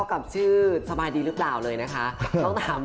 แอบดูแวะหมอ